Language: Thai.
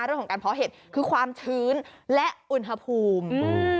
เรื่องของการเพาะเห็ดคือความชื้นและอุณหภูมิ